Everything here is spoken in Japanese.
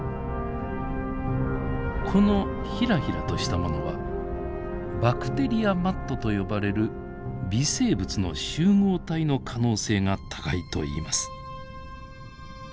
このヒラヒラとしたものはバクテリアマットと呼ばれる微生物の集合体の可能性が高いといいます。